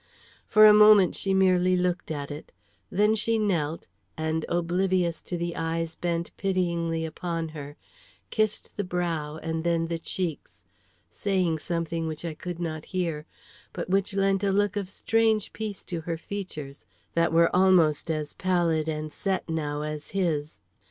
For a moment she merely looked at it, then she knelt, and, oblivious to the eyes bent pityingly upon her, kissed the brow and then the cheeks, saying something which I could not hear, but which lent a look of strange peace to her features, that were almost as pallid and set now as his.